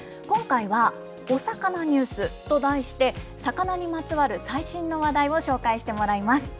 今回はおさかなニュースと題して、魚にまつわる最新の話題を紹介してもらいます。